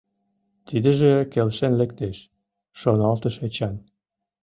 «Тидыже келшен лектеш, — шоналтыш Эчан.